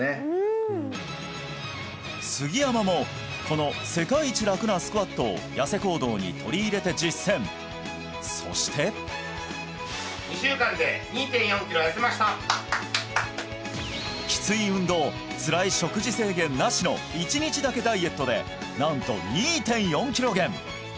杉山もこの世界一楽なスクワットをヤセ行動に取り入れて実践そしてきつい運動つらい食事制限なしの１日だけダイエットでなんと２．４キロ減！